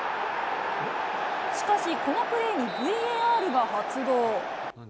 しかし、このプレーにＶＡＲが発動。